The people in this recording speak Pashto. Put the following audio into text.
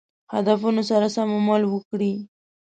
هدایتونو سره سم عمل وکړي.